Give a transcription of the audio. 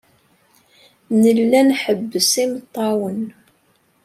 Nella nḥebbes imeṭṭawen.